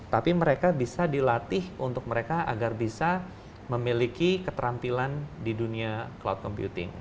tapi mereka bisa dilatih untuk mereka agar bisa memiliki keterampilan di dunia cloud computing